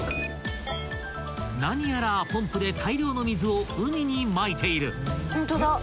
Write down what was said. ［何やらポンプで大量の水を海にまいている］